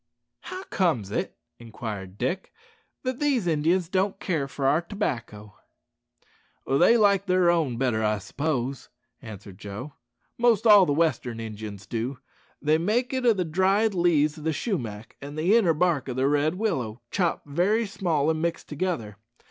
"How comes it," inquired Dick, "that these Indians don't care for our tobacco?" "They like their own better, I s'pose," answered Joe; "most all the western Injuns do. They make it o' the dried leaves o' the shumack and the inner bark o' the red willow, chopped very small an' mixed together.